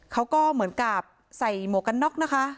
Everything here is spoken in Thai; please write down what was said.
เขาก็เหมือนกับใส่หมวกกันน็อกนะคะ